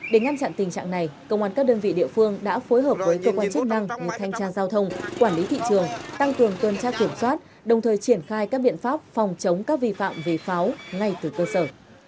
để ngăn chặn tình trạng này công an các đơn vị địa phương đã phối hợp với cơ quan chức năng như thanh tra giao thông quản lý thị trường tăng cường tuần tra kiểm soát đồng thời triển khai các biện pháp phòng chống các vi phạm về pháo ngay từ cơ sở